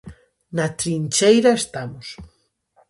Na trincheira estamos.